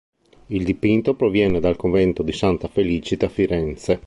Il dipinto proviene dal convento di Santa Felicita a Firenze.